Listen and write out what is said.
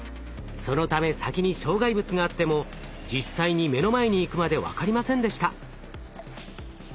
そのため先に障害物があっても実際に目の前に行くまで分かりませんでした。